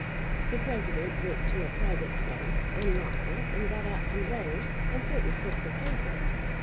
The president went to a private safe, unlocked it and got out some letters and certain slips of paper.